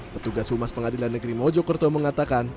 petugas humas pengadilan negeri mojokerto mengatakan